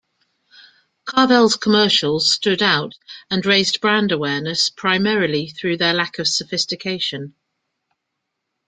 Carvel's commercials stood out and raised brand awareness primarily through their lack of sophistication.